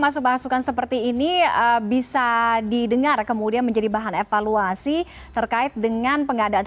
masukan masukan seperti ini bisa didengar kemudian menjadi bahan evaluasi terkait dengan pengadaan